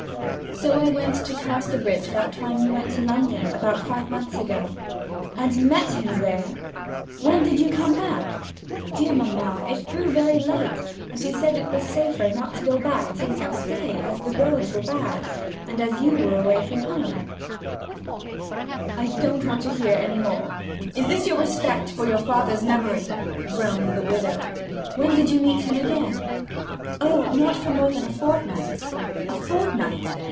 'So I went to Casterbridge that time you went to London about five months ago ' 'And met him there? When did you come back?' 'Dear mamma, it grew very late, and he said it was safer not to go back till next day, as the roads were bad; and as you were away from home ' 'I don't want to hear any more! This is your respect for your father's memory,' groaned the widow. 'When did you meet him again?' 'Oh not for more than a fortnight.' 'A fortnight!